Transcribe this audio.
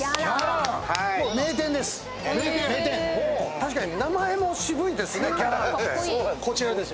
確かに名前も渋いですね。